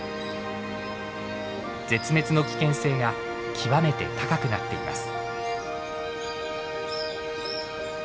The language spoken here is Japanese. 絶滅の危険性が極めて高くなっています。